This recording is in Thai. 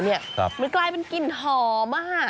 มันกลายเป็นกลิ่นหอม